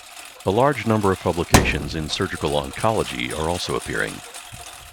A large number of publications in surgical oncology are also appearing.